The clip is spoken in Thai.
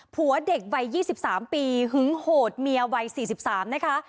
ผัวเด็กวัย๒๓ปีหึงโหดเมียวัย๔๓นะคะ